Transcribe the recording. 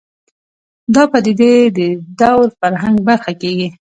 دا پدیدې د دور فرهنګ برخه کېږي